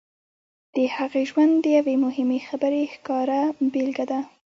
د هغې ژوند د یوې مهمې خبرې ښکاره بېلګه ده